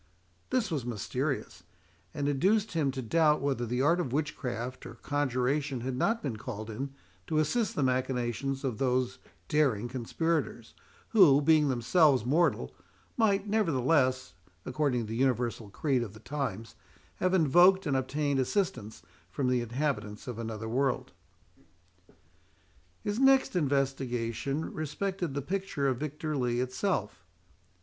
This was mysterious, and induced him to doubt whether the art of witchcraft or conjuration had not been called in to assist the machinations of those daring conspirators, who, being themselves mortal, might, nevertheless, according to the universal creed of the times, have invoked and obtained assistance from the inhabitants of another world. His next investigation respected the picture of Victor Lee itself.